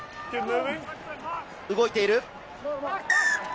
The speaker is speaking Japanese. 動いている。